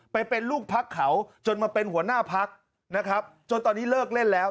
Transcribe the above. ไปเป็นลูกพักเขาจนมาเป็นหัวหน้าพักนะครับจนตอนนี้เลิกเล่นแล้ว